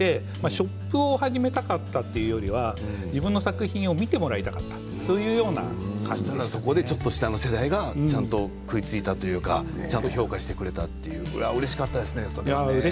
ショップを始めたかったというよりは自分の作品を見てもらいたかったそこで、ちょっと下の世代が食いついたというかちゃんと評価してくれたうれしかったですね。